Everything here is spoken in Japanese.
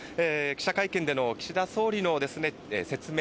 記者会見での岸田総理の説明